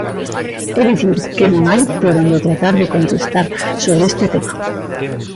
É dicir, que non hai por onde tratar de contestar sobre este tema.